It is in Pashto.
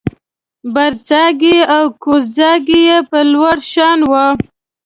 برڅاګی او کوزڅاګی یې په لوړ شان و